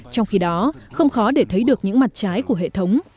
trong khi đó không khó để thấy được những mặt trái của hệ thống